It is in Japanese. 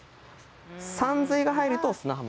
さんずいが入ると「砂浜」。